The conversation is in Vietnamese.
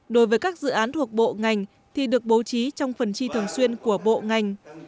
đối với các dự án thuộc bộ ngành thì được bố trí trong phần chi thường xuyên của bộ ngành